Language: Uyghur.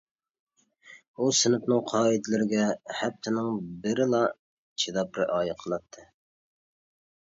ئۇ سىنىپنىڭ قائىدىلىرىگە ھەپتىنىڭ بىرىلا چىداپ رىئايە قىلاتتى.